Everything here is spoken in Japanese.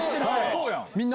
そうやん。